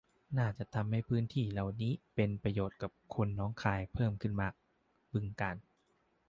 น่าจะทำให้พื้นที่เหล่านี้เป็นประโยชน์กับคนหนองคายเพิ่มขึ้นมาก บึงกาฬ